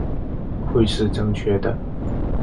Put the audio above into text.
会是正确的